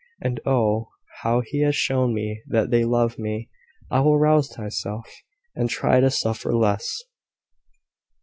And, oh, how He has shown me that they love me! I will rouse myself, and try to suffer less."